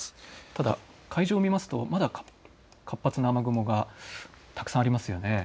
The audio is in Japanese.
ただ海上を見ますとまだ活発な雨雲がたくさんありますよね。